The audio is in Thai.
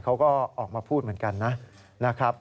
เขาก็ออกมาพูดเหมือนกันนะครับ